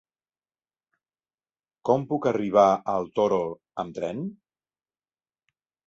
Com puc arribar al Toro amb tren?